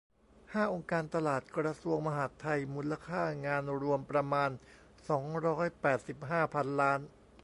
ห้า องค์การตลาด กระทรวงมหาดไทย มูลค่างานรวมประมาณ สองร้อยแปดสิบห้า พันล้าน